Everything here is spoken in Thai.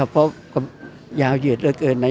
เพราะยาวเหยียดเหลือเกินนะ